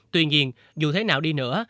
tuy nhiên dù thế nào đi nữa